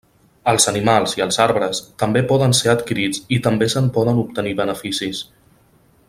Els animals i els arbres també poden ser adquirits i també se'n poden obtenir beneficis.